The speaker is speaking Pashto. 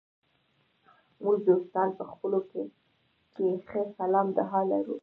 موږ دوستان په خپلو کې ښه سلام دعا لرو.